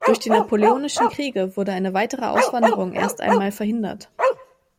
Durch die napoleonischen Kriege wurde eine weitere Auswanderung erst einmal verhindert.